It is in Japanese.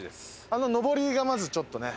あののぼりがまずちょっとね。